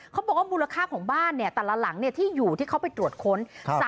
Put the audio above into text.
เขาบอกว่ามูลค่าของบ้านแต่ละหลังที่อยู่ที่เขาไปตรวจค้น